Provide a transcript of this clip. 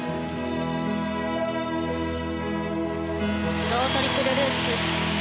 スロートリプルループ。